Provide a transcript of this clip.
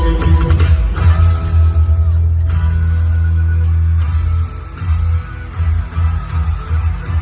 หวังว่าถ้าเป็นภาวะข้าง